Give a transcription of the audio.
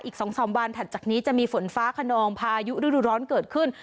อีก๒๓วันถัดจากนี้จะมีฝนฟ้าขนองพายุฤดูร้อนเกิดขึ้น